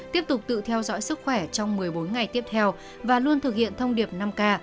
tiếp tục tự theo dõi sức khỏe trong một mươi bốn ngày tiếp theo và luôn thực hiện thông điệp năm k